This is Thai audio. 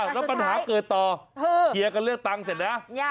แล้วปัญหาเกิดต่อเขียงกันเลือกตังค์เสร็จอย่างไรนะ